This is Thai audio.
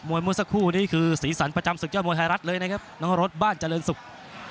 มวยมือสักคู่นี้คือศรีสรรพจำสุขยอดมวยไทยรัฐเลยนะครับน้องโรสบ้านเจริญศุกร์